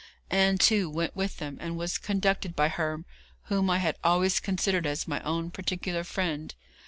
Ann, too, went with them, and was conducted by her whom I had always considered as my own particular friend.